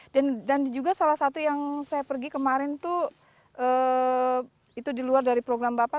dan juga salah satu yang saya pergi kemarin itu itu di luar dari program bapak